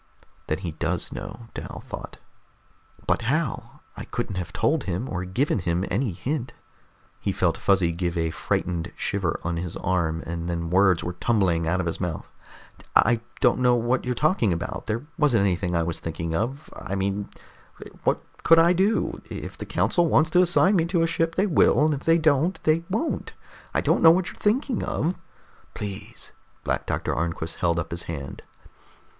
Then he does know! Dal thought. But how? I couldn't have told him, or given him any hint. He felt Fuzzy give a frightened shiver on his arm, and then words were tumbling out of his mouth. "I don't know what you're talking about, there wasn't anything I was thinking of. I mean, what could I do? If the council wants to assign me to a ship, they will, and if they don't, they won't. I don't know what you're thinking of." "Please." Black Doctor Arnquist held up his hand.